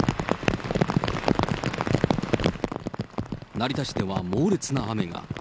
成田市では猛烈な雨が。